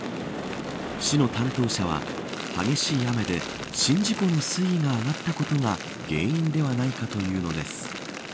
市の担当者は激しい雨で宍道湖の水位が上がったことが原因ではないかというのです。